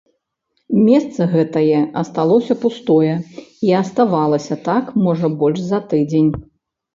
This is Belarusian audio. Месца гэтае асталося пустое і аставалася так, можа, больш за тыдзень.